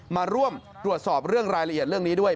มาร่วมตรวจสอบเรื่องรายละเอียดเรื่องนี้ด้วย